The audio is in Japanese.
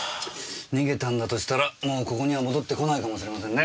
逃げたんだとしたらもうここには戻ってこないかもしれませんね。